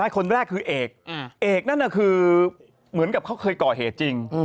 คนแรกคือเอกเอกนั่นคือเหมือนกับเขาเคยก่อเหตุจริง